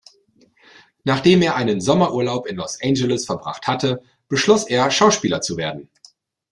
Nachdem er einen Sommerurlaub in Los Angeles verbracht hatte, beschloss er Schauspieler zu werden.